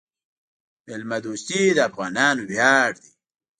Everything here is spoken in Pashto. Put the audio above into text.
میلمه دوستي د افغانانو ویاړ دی.